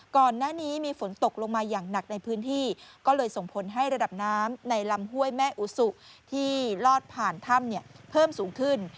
ก่อนหน้านี้มีฝนตกลงมาอย่างหนักในพื้นที่ก็เลยส่งผลให้ระดับน้ำในลำห้วยแม่อุสุที่ลอดผ่านถ้ำเนี่ยเพิ่มสูงขึ้น